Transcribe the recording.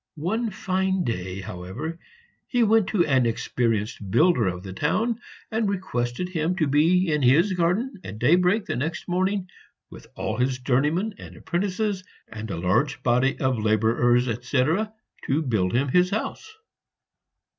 One fine day, however, he went to an experienced builder of the town and requested him to be in his garden at daybreak the next morning, with all his journeymen and apprentices, and a large body of laborers, etc., to build him his house.